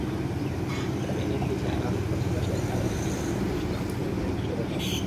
যেটি তাঁকে এনে দিয়েছে আগামী বছর রাশিয়ার কাজানে বিশ্ব চ্যাম্পিয়নশিপে অংশগ্রহণের নিশ্চয়তাও।